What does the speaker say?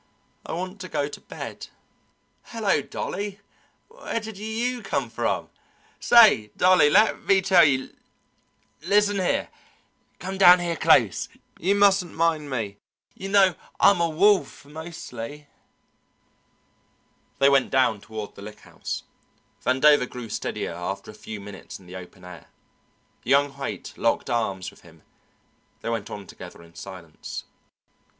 I want to go to bed. Hello, Dolly! where did you come from? Say, Dolly, let me tell you listen here come down here close; you mustn't mind me; you know I'm a wolf mostly!" They went down toward the Lick House. Vandover grew steadier after a few minutes in the open air. Young Haight locked arms with him; they went on together in silence.